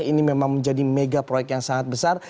ini memang menjadi mega proyek yang sangat besar